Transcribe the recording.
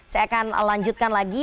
saya akan lanjutkan lagi